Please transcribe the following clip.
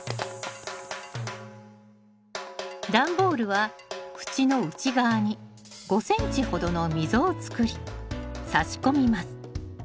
段ボールは縁の内側に５ｃｍほどの溝を作り差し込みます。